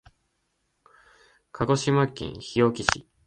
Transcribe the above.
鹿児島県日置市